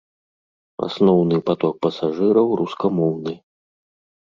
Асноўны паток пасажыраў рускамоўны.